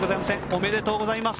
おめでとうございます。